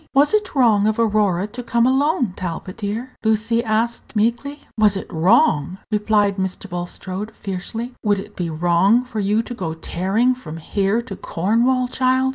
"Was it wrong of Aurora to come alone, Talbot, dear?" Lucy asked, meekly. "Was it wrong?" repeated Mr. Bulstrode, fiercely. "Would it be wrong for you to go tearing from here to Cornwall, child?"